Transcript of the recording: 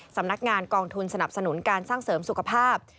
สำนักงานกองทุนสนับสนุนการสร้างเสริมสุขภาพ